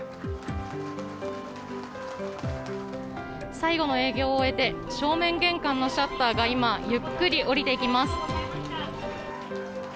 最後の営業を終えて正面玄関のシャッターが今ゆっくり降りていきます。